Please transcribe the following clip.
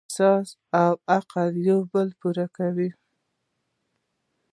احساس او عقل یو بل پوره کوي.